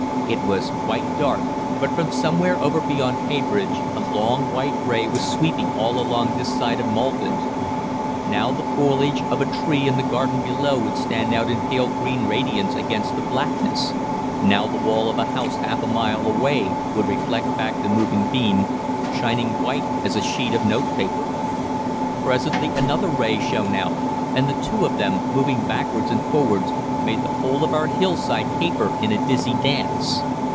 It was quite dark, but from somewhere over beyond Heybridge a long white ray was sweeping all along this side of Maldon. Now the foliage of a tree in the garden below would stand out in pale green radiance against the blackness; now the wall of a house half a mile away would reflect back the moving beam, shining white as a sheet of notepaper. "Presently another ray shone out, and the two of them, moving backwards and forwards, made the whole of our hillside caper in a dizzy dance.